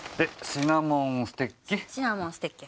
シナモンステッキ。